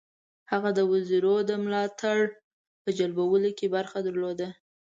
هغه د وزیرو د ملاتړ په جلبولو کې برخه درلوده.